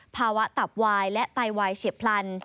ภาวะตับวายและไตวายเฉียบพลัน